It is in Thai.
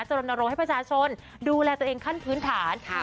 รณรงค์ให้ประชาชนดูแลตัวเองขั้นพื้นฐาน